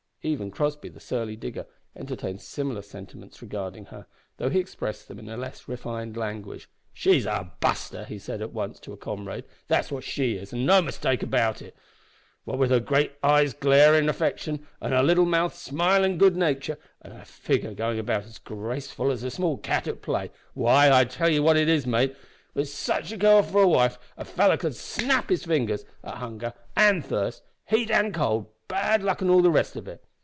Even Crossby, the surly digger, entertained similar sentiments regarding her, though he expressed them in less refined language. "She's a bu'ster," he said once to a comrade, "that's what she is, an' no mistake about it. What with her great eyes glarin' affection, an' her little mouth smilin' good natur', an' her figure goin' about as graceful as a small cat at play why, I tell 'ee what it is, mate, with such a gal for a wife a feller might snap his fingers at hunger an' thirst, heat an' cold, bad luck an' all the rest of it.